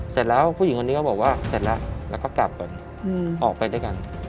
เสร็จแล้วผู้หญิงคนนี้ก็บอกว่าเสร็จแล้วแล้วก็กลับก่อนออกไปด้วยกัน